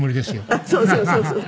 あっそうそうそうそう。